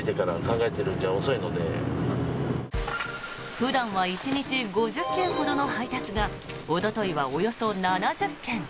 普段は１日５０件ほどの配達がおとといはおよそ７０件。